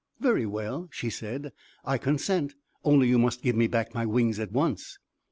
"Very well," she said; "I consent, only you must give me back my wings at once."